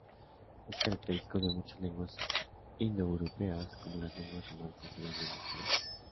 Es característico de muchas lenguas indoeuropeas, como las lenguas romances o las lenguas germánicas.